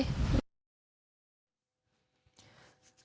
ก็เลย